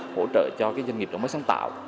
hỗ trợ cho cái doanh nghiệp đóng vai sáng tạo